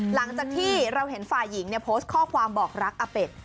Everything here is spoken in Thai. หลังจากที่เราเห็นฝ่ายหญิงโพสต์ข้อความบอกรักอาเป็ด